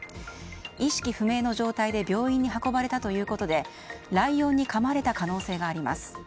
意識不明の状態で病院に運ばれたということでライオンにかまれた可能性があります。